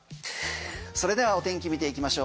それではお天気見ていきましょう